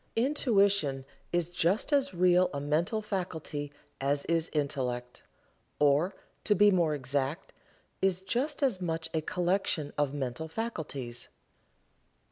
Intuition is just as real a mental faculty as is Intellect or, to be more exact, is just as much a collection of mental faculties.